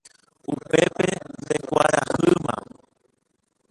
upépe ndekuarahýma.